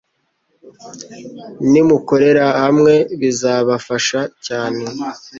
Nimukorera hamwebizabafasha cyane,